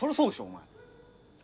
お前。